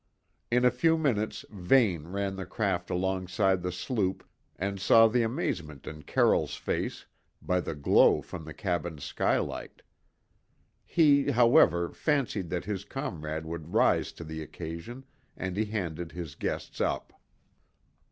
In a few minutes Vane ran the craft alongside the sloop and saw the amazement in Carroll's face by the glow from the cabin skylight. He, however, fancied that his comrade would rise to the occasion and he handed his guests up.